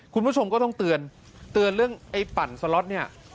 คุณผู้ชมก็ต้องเตือนเตือนเรื่องไอ้ปั่นสล็อตเนี่ย